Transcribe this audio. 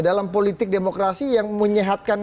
dalam politik demokrasi yang menyehatkan